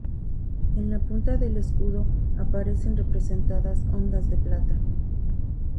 En la punta del escudo aparecen representadas ondas de plata.